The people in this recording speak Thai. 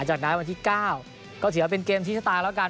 จากนั้นวันที่๙ก็ถือว่าเป็นเกมที่ชะตาแล้วกัน